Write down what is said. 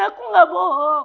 aku gak tahu